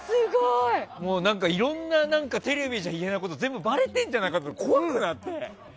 もう何かいろんなテレビじゃ言えないこと全部ばれてるんじゃないかと思って、怖くなって。